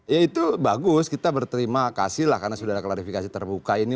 ya itu bagus kita berterima kasih lah karena sudah ada klarifikasi terbuka ini